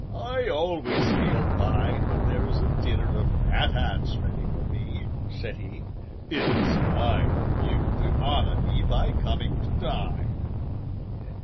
"I always feel fine when there is a dinner of fat ants ready for me," said he. "It is fine of you to honor me by coming to dine."